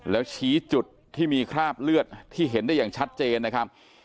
แล้วชี้จุดที่มีคราบเลือดที่เห็นได้อย่างชัดเจนนะครับ